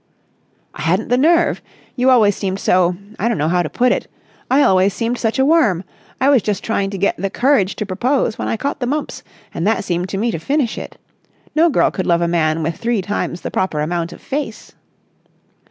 "I hadn't the nerve. You always seemed so—I don't know how to put it—I always seemed such a worm. I was just trying to get the courage to propose when I caught the mumps, and that seemed to me to finish it. No girl could love a man with three times the proper amount of face."